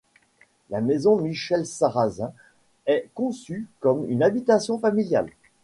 La Maison Michel-Sarrazin est conçue comme une habitation familiale.